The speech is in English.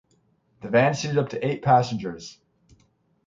The van seated up to eight passengers.